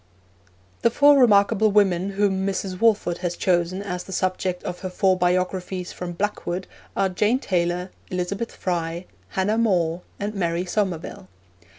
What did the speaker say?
The four remarkable women whom Mrs. Walford has chosen as the subjects of her Four Biographies from 'Blackwood' are Jane Taylor, Elizabeth Fry, Hannah More, and Mary Somerville.